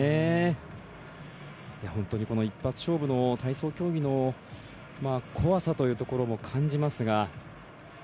本当に一発勝負の体操競技の怖さというところも感じますが。